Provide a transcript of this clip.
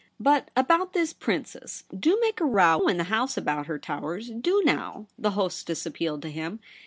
' But about this Princess. Do make a row in the House about her, Towers — do now,' the hostess appealed to him.